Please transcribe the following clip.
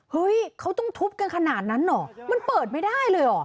เฮ้ยเขาต้องทุบกันขนาดนั้นเหรอมันเปิดไม่ได้เลยเหรอ